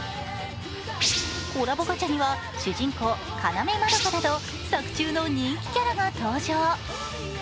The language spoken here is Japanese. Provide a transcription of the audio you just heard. コラボガチャには主人公・鹿目まどかなど作中の人気キャラが登場。